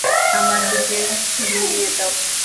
আমার দিকে গড়িয়ে দাও।